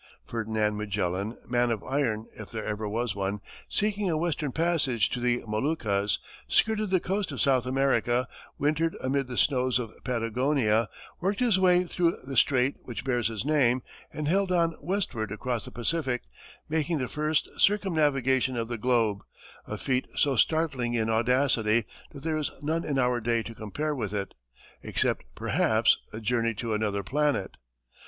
Ferdinand Magellan, man of iron if there ever was one, seeking a western passage to the Moluccas, skirted the coast of South America, wintered amid the snows of Patagonia, worked his way through the strait which bears his name, and held on westward across the Pacific, making the first circumnavigation of the globe, a feat so startling in audacity that there is none in our day to compare with it, except, perhaps, a journey to another planet.